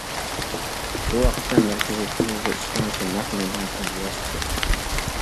شۇ ۋاقىتتا مەركىزىي تېلېۋىزىيە ئىستانسىسى نەق مەيداندىن بىۋاسىتە كۆرسىتىدۇ.